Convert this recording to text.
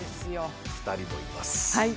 ２人もいます。